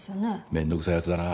面倒くさい奴だな。